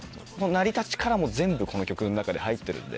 成り立ちからも全部この曲の中で入ってるんで。